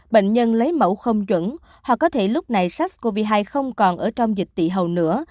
bệnh nhân lấy mẫu không chuẩn hoặc có thể lúc này sars cov hai không còn ở trong dịch tị hầu nữa